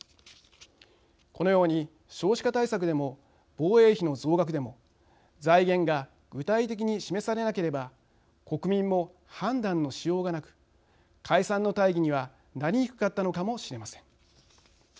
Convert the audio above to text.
このように、少子化対策でも防衛費の増額でも財源が具体的に示されなければ国民も判断のしようがなく解散の大義にはなりにくかったのかもしれません。